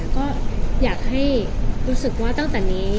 ก็อยากให้รู้สึกว่าตั้งแต่นี้